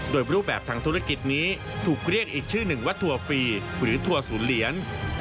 โดยรูปแบบทางธุรกิจนี้ถูกเรียกอีกชื่อหนึ่งว่าทัวร์ฟรีหรือทัวร์ศูนย์เหรียญ